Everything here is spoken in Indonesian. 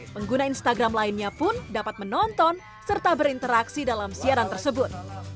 pengguna instagram lainnya pun dapat menonton serta berinteraksi dalam siaran tersebut